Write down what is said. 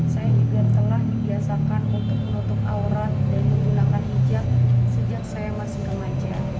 saya juga telah dibiasakan untuk menutup aurat dan menggunakan hijab sejak saya masih remaja